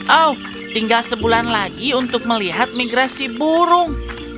oh tinggal sebulan lagi untuk melihat migrasi burung